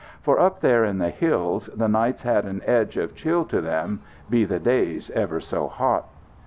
For, up there in the hills, the nights had an edge of chill to them; be the days ever so hot.